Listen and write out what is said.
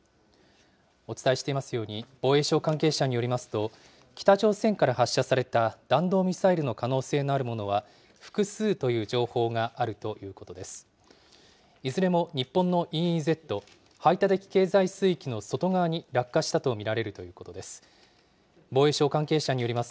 お伝えしていますように、防衛省関係者によりますと、北朝鮮から発射された弾道ミサイルの可能性のあるものは、複数という情報があるということです。